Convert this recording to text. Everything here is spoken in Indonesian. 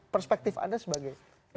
perspektif anda sebagai